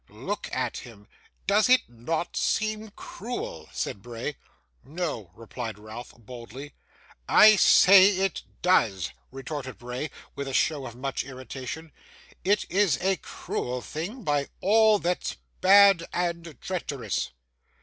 'Look at him. Does it not seem cruel?' said Bray. 'No!' replied Ralph, boldly. 'I say it does,' retorted Bray, with a show of much irritation. 'It is a cruel thing, by all that's bad and treacherous!